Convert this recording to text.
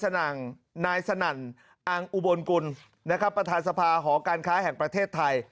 นายสนั่นอังอุบลกุลนะครับประธานสภาหอการค้าแห่งประเทศไทย